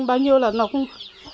bao nhiêu là nó cũng